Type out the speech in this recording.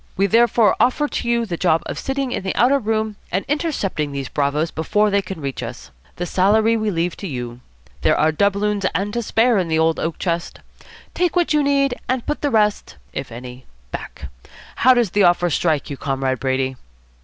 We therefore offer you the job of sitting in the outer room and intercepting these bravoes before they can reach us. The salary we leave to you. There are doubloons and to spare in the old oak chest. Take what you need and put the rest if any back. How does the offer strike you, Comrade Brady?"